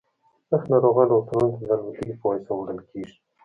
سخت ناروغان روغتونونو ته د الوتکې په واسطه وړل کیږي